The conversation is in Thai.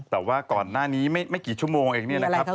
แต่ว่าก่อนหน้านี้ไม่กี่ชั่วโมงเองเนี่ยนะครับ